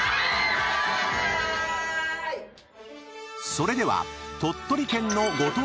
［それでは］